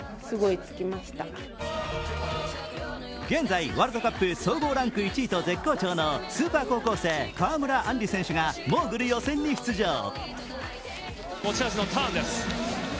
現在、ワールドカップ総合ランク１位と絶好調のスーパー高校生、川村あんり選手がモーグル予選に出場。